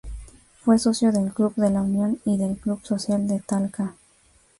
Fue socio del Club de La Unión y del Club Social de Talca.